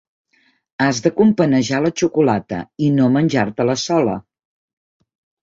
Has de companejar la xocolata i no menjar-te-la sola.